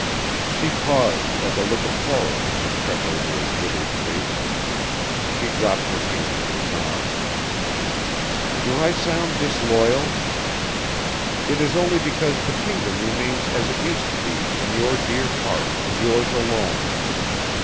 She paused at the look of horror which had crept over his withered face. She dropped her hand to his arm. "Do I sound disloyal? It is only because the kingdom remains as it used to be in your dear heart and yours alone.